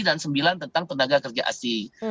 dan sembilan tentang tenaga kerja asing